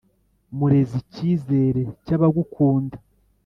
Murezi cyizere cy’abagukunda